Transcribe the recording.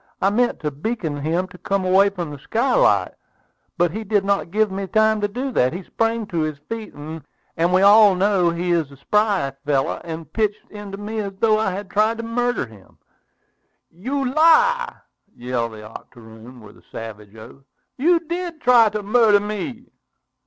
I meant to beckon him to come away from the skylight, but he did not give me time to do that. He sprang to his feet, and we all know he is a spry fellow, and pitched into me as though I had tried to murder him." "You lie!" yelled the octoroon, with a savage oath. "You did try to murder me!"